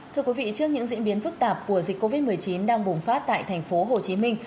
thưa quý vị trước những diễn biến phức tạp của dịch covid một mươi chín đang bùng phát tại thành phố hồ chí minh